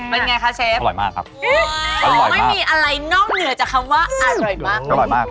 ไม่มีอะไรนอกเหนือจากคำว่าอร่อยมาก